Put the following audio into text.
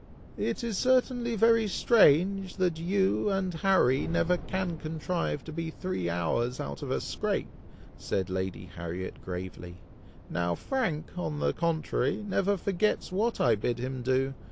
"It is certainly very strange, that you and Harry never can contrive to be three hours out of a scrape!" said Lady Harriet gravely; "now Frank, on the contrary, never forgets what I bid him do.